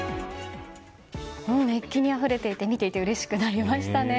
熱気にあふれていて見ていてうれしくなりましたね。